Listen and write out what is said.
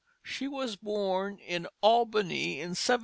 She was born in Albany in 1715.